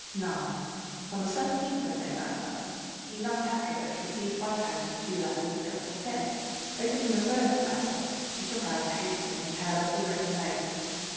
IX On the seventeenth of November Ivan Petrovitch received by post two letters addressed to him. Opening the first letter, he took out a hasty and carelessly written note.